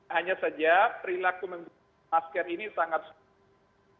hanya saja perilaku membuang masker ini sangat sering